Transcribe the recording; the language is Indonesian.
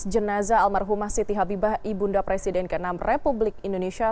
jenazah almarhumah siti habibah ibunda presiden ke enam republik indonesia